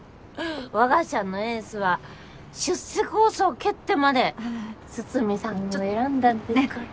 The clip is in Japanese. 我が社のエースは出世コースを蹴ってまで筒見さんを選んだんですから。